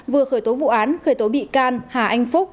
vừa khởi tố vụ án khởi tố bị can hà anh phúc